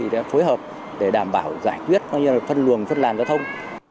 đã phối hợp để đảm bảo giải quyết phân luồng phân làn giao thông